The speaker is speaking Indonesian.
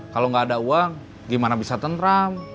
kalau nggak ada uang gimana bisa tentram